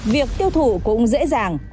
việc tiêu thủ cũng dễ dàng